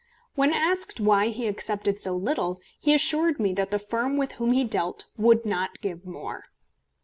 When asked why he accepted so little, he assured me that the firm with whom he dealt would not give more.